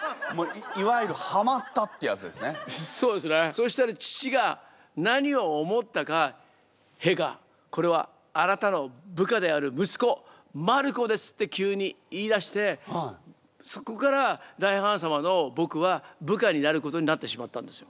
そしたら父が何を思ったか「陛下これはあなたの部下である息子マルコです」って急に言いだしてそこから大ハーン様の僕は部下になることになってしまったんですよ。